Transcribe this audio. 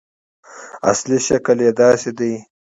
اصلي شکل یې داسې دی.